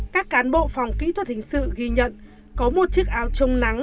các cán bộ phòng kỹ thuật hình sự ghi nhận có một chiếc áo trông nắng